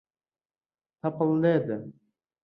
تەپڵ لێدە.